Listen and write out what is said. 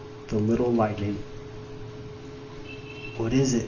THE "LITTLE LIGHTNING." "What is it?"